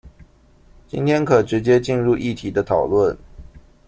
今天可直接進入議題的討論